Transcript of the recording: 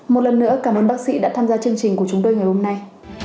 một lần nữa cảm ơn bác sĩ đã tham gia chương trình của chúng tôi ngày hôm nay